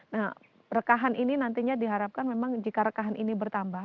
nah rekahan ini nantinya diharapkan memang jika rekahan ini bertambah